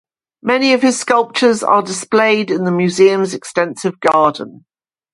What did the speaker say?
Many of his sculptures are displayed in the museum's extensive garden.